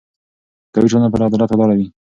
قوي ټولنه پر عدالت ولاړه وي